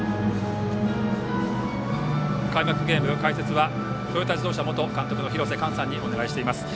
開幕ゲーム、解説はトヨタ自動車元監督の廣瀬寛さんにお願いしています。